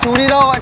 chú đi đâu vậy